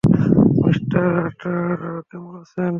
Mister Rathore কেমন আছেন?